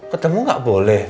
ketemu gak boleh